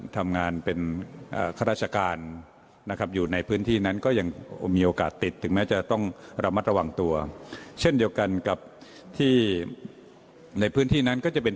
ฟังเสียงคุณหมอธุวิสินนะฮะ